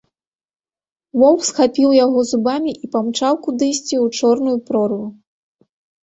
Воўк схапіў яго зубамі і памчаў кудысьці ў чорную прорву.